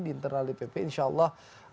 di internal dpp insya allah